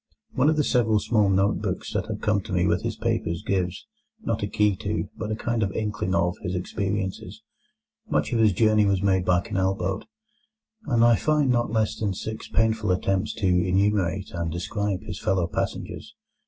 One of several small note books that have come to me with his papers gives, not a key to, but a kind of inkling of, his experiences. Much of his journey was made by canal boat, and I find not less than six painful attempts to enumerate and describe his fellow passengers.